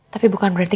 tapi bukan berarti